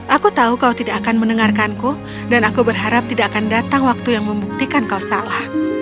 aku tahu kau tidak akan mendengarkanku dan aku berharap tidak akan datang waktu yang membuktikan kau salah